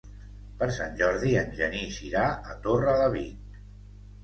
Per Sant Jordi en Genís irà a Torrelavit.